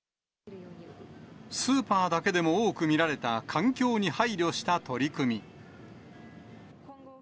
スーパーだけでも多く見られた環境に配慮した取り組み。